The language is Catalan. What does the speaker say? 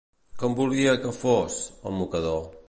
Com volia que fos, el mocador?